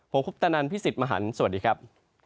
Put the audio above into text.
ผมคุปตะนันพี่สิทธิ์มหันฯสวัสดีครับ